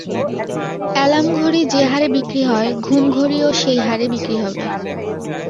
অ্যালাম-ঘড়ি যে-হারে বিক্রি হয়, ঘুম-ঘড়িও সেই হারে বিক্রি হবে।